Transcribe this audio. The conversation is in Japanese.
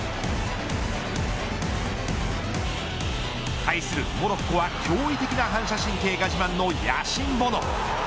対するモロッコは驚異的な反射神経が自慢のヤシン・ボノ。